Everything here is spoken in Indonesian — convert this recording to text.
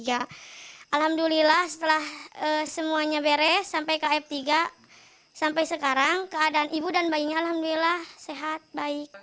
alhamdulillah setelah semuanya beres sampai kf tiga sampai sekarang keadaan ibu dan bayinya alhamdulillah sehat baik